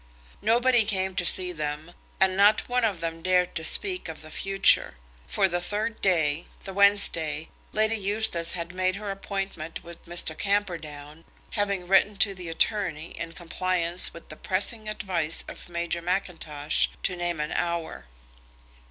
Nobody came to see them, and not one of them dared to speak of the future. For the third day, the Wednesday, Lady Eustace had made her appointment with Mr. Camperdown, having written to the attorney, in compliance with the pressing advice of Major Mackintosh, to name an hour.